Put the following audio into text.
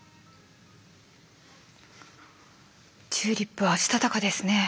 チューリップはしたたかですね。